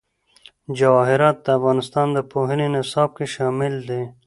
جواهرات د افغانستان د پوهنې نصاب کې شامل دي.